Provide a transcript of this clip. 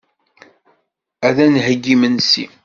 Ad d-nheyyi imensi.